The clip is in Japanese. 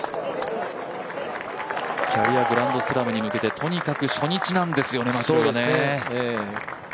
キャリアグランドスラムに向けて、とにかく初日なんですよね、マキロイは。